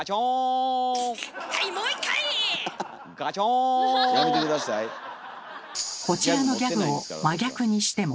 はいもう一回！こちらのギャグを真逆にしても。